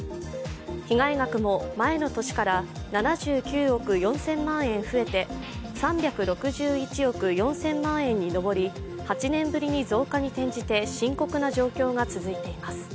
被害額も前の年から７９億４０００万円増えて３６１億４０００万円に上り、８年ぶりに増加に転じて深刻な状況が続いています。